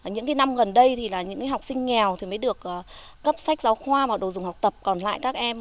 những năm gần đây thì là những học sinh nghèo thì mới được cấp sách giáo khoa mà đồ dùng học tập còn lại các em